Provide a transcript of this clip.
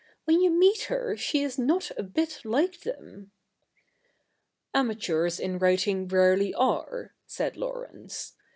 ' When you meet her, she is not a bit like them.' ' Amateurs in writing rarely are,' said Laurence.